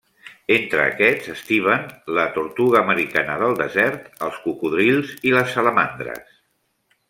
Entre aquests estiven la tortuga americana del desert, els cocodrils i les salamandres.